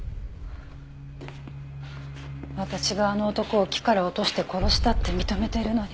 私があの男を木から落として殺したって認めてるのに。